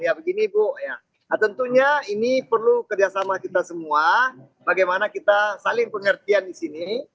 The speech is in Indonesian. ya begini bu tentunya ini perlu kerjasama kita semua bagaimana kita saling pengertian di sini